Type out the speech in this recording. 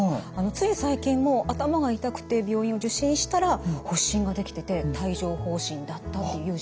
つい最近も頭が痛くて病院を受診したら発疹ができてて帯状ほう疹だったっていう友人もいます。